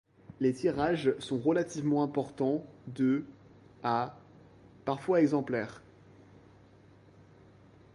Les tirages sont relativement importants, de à parfois exemplaires.